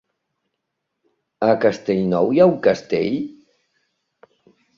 A Castellnou hi ha un castell?